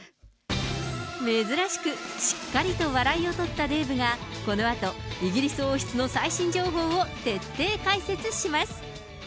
珍しくしっかりと笑いを取ったデーブがこのあと、イギリス王室の最新情報を徹底解説します。